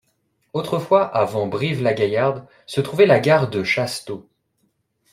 Autrefois, avant Brive-la-Gaillarde se trouvait la gare de Chasteaux.